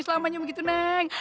selamanya begitu neng